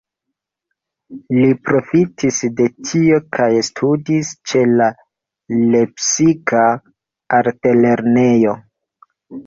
Li profitis de tio kaj studis ĉe la lepsika altlernejo.